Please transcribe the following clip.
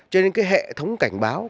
cho nên cái hệ thống cảnh báo